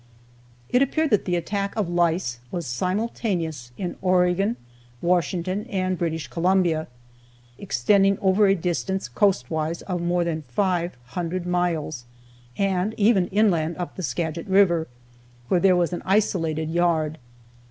It appeared that the attack of lice was simultaneous in Oregon, Washington, and British Columbia, extending over a distance coastwise of more than five hundred miles, and even inland up the Skagit River, where there was an isolated yard.